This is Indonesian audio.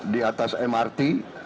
di atas mrt